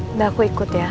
udah aku ikut ya